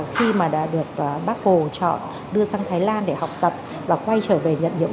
khi mà đã được bác hồ chọn đưa sang thái lan để học tập và quay trở về nhận nhiệm vụ